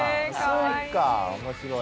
そっか面白い。